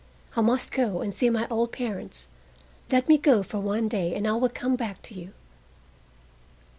I must go and see my old parents. Let me go for one day and I will come back to you."